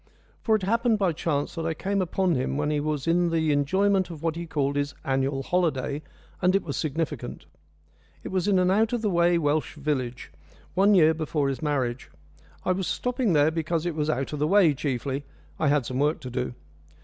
For it happened by chance that I came upon him when he was in the enjoyment of what he called his annual holiday, and it was significant. It was in an out of the way Welsh village, one year before his marriage. I was stopping there because it was out of the way chiefly I had some work to do.